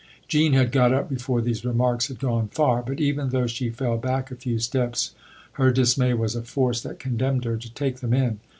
Jean had got up before these remarks had gone far, but even though she fell back a few steps her dismay was a force that condemned her to take them in.